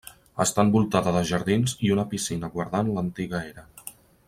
Està envoltada de jardins i una piscina guardant l'antiga era.